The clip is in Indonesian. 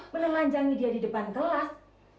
menelanjangi dia di depan kelas